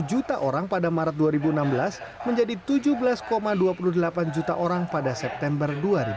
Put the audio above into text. dari tujuh belas enam puluh tujuh juta orang pada maret dua ribu enam belas menjadi sepuluh empat puluh delapan juta orang pada september dua ribu enam belas